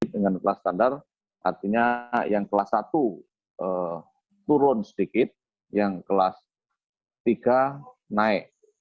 dengan kelas standar artinya yang kelas satu turun sedikit yang kelas tiga naik